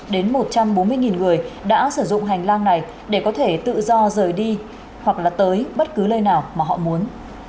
một trăm ba mươi đến một trăm bốn mươi người đã sử dụng hành lang này để có thể tự do rời đi hoặc là tới bất cứ lơi nào mà họ muốn